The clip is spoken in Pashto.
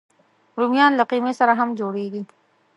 رومیان له قیمې سره هم جوړېږي